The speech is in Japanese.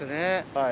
はい。